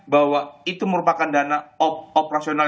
bahwa itu merupakan dana operasional